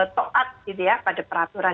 to'at pada peraturan